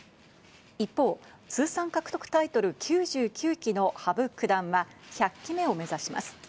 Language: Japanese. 一方、通算獲得タイトル９９期の羽生九段は、１００期目を目指します。